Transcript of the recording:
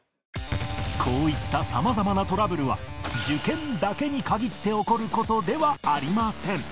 こういった様々なトラブルは受験だけに限って起こる事ではありません